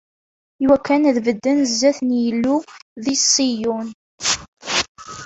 Iwakken ad bedden zdat n Yillu, di Ṣiyun.